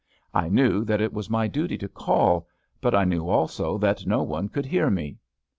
I knew that it was my duty to call, but I knew also that no one could hear me.